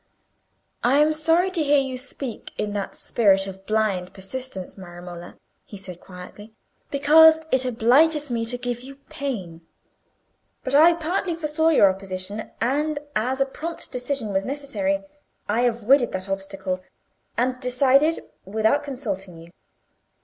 "I am sorry to hear you speak in that spirit of blind persistence, my Romola," he said, quietly, "because it obliges me to give you pain. But I partly foresaw your opposition, and as a prompt decision was necessary, I avoided that obstacle, and decided without consulting you.